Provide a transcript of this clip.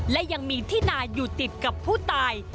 และยังมีที่นาอยู่ติดกับผู้ตาย